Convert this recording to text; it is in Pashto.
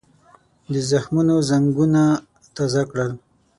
د زخمونو زنګونه تازه کول.